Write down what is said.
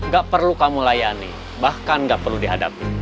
gak perlu kamu layani bahkan gak perlu dihadapi